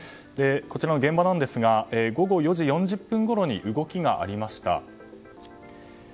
現場なんですが午後４時４０分ごろに動きがありました。